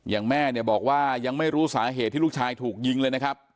แม่เนี่ยบอกว่ายังไม่รู้สาเหตุที่ลูกชายถูกยิงเลยนะครับ